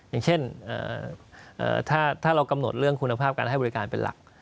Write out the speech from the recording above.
อย่างเช่นถ้าเรากำหนดเรื่องคุณภาพการให้บริการเป็นหลัก